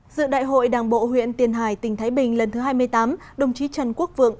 dự đại hội đảng bộ huyện tiền hải tỉnh thái bình lần thứ hai mươi tám đồng chí trần quốc vượng